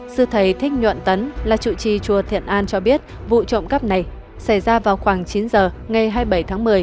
sư thầy thích nhuận tấn là chủ trì chùa thiện an cho biết vụ trộm cắp này xảy ra vào khoảng chín giờ ngày hai mươi bảy tháng một mươi